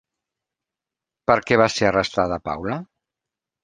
Per què va ser arrestada Paula?